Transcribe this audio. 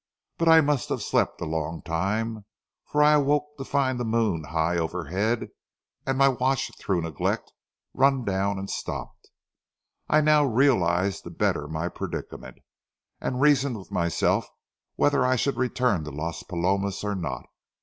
But I must have slept a long time; for I awoke to find the moon high overhead, and my watch, through neglect, run down and stopped. I now realized the better my predicament, and reasoned with myself whether I should return to Las Palomas or not.